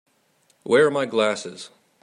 Where are my glasses?